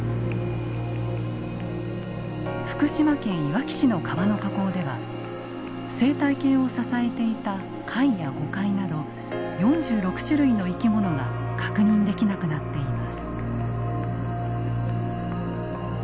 福島県いわき市の川の河口では生態系を支えていた貝やゴカイなど４６種類の生き物が確認できなくなっています。